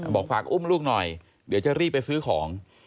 บอกฝากอุ้มลูกหน่อยเดี๋ยวจะรีบไปซื้อของ